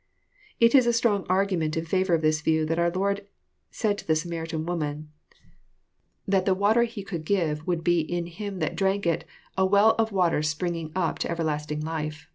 It is a strong argument in favour of this view that our Lord said to the Samaritan woman, that the water He could give would be / JOHN, CHAP, vn, 47 In him that drank it a well of water sprin^iug ap into ever* lastiug life."